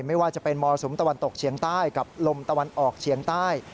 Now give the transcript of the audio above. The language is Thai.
ไม่ว่าจะเป็นมรสุมตะวันตกเฉียงใต้กับลมตะวันออกเฉียงใต้